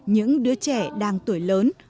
những đứa trẻ đang tuổi lớn